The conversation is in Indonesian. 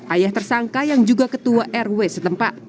ayah tersangka yang juga ketua rw setempat